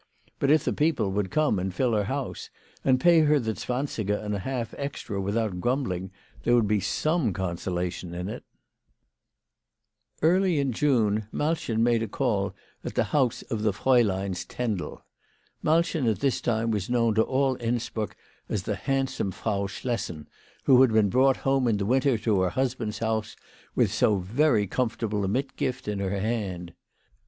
But if the people would come and fill her house, and pay her the zwansiger and a half extra with out grumbling, there would be some consolation in it. 94 WHY FRAU FROHMANN RAISED HER PRICES. Early in June Malchen made a call at the house of the Frauleins Tendel. Malchen at this time was known to all Innsbruck as the handsome Frau Schlessen who had been brought home in the winter to her husband's house with so very comfortable a mitgift in her hand.